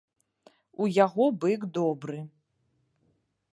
У яго бык добры.